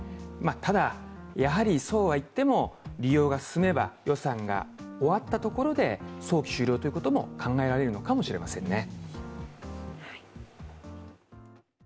ただ、そうはいっても、利用が進めば、予算が終わったところで早期終了ということも考えられるのかもしれませんね。